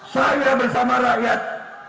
saya bersama rakyat